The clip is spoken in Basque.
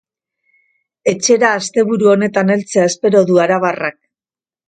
Etxera asteburu honetan heltzea espero du arabarrak.